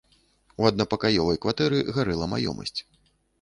У аднапакаёвай кватэры гарэла маёмасць.